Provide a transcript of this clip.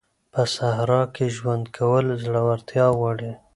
په صحرا کي ژوند کول زړورتيا غواړي.